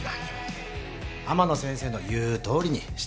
天野先生の言うとおりにしたまでです。